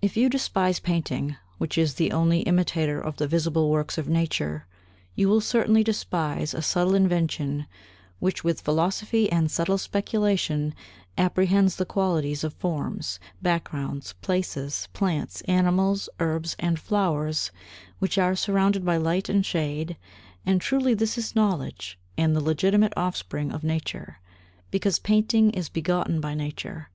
If you despise painting, which is the only imitator of the visible works of nature, you will certainly despise a subtle invention which with philosophy and subtle speculation apprehends the qualities of forms, backgrounds, places, plants, animals, herbs and flowers, which are surrounded by light and shade. And truly this is knowledge and the legitimate offspring of nature, because painting is begotten by nature.